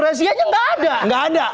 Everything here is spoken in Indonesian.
rahasianya nggak ada nggak ada